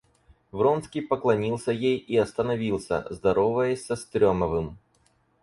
Вронский поклонился ей и остановился, здороваясь со Стремовым.